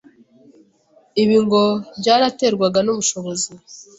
Ibi ngo byaraterwaga n’ubushobozi